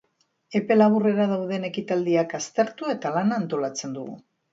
Epe laburrera dauden ekitaldiak aztertu, eta lana antolatzen dugu.